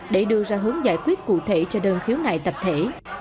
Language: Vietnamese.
để đưa ra hướng giải quyết cụ thể cho đơn khiếu nại tập thể